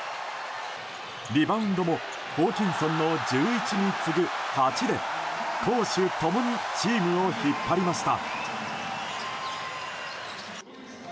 リバウンドもホーキンソンの１１に次ぐ８で攻守共にチームを引っ張りました。